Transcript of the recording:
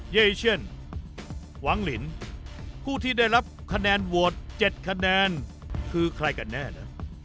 เยเชียนหวังลินผู้ที่ได้รับคะแนนโหวต๗คะแนนคือใครกันแน่นะ